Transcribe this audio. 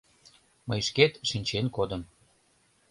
Мый шкет шинчен кодым.